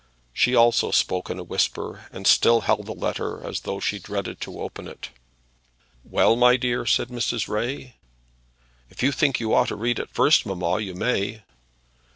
She also spoke in a whisper, and still held the letter as though she dreaded to open it. "Well, my dear," said Mrs. Ray. "If you think you ought to read it first, mamma, you may."